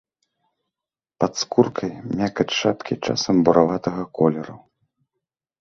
Пад скуркай мякаць шапкі часам бураватага колеру.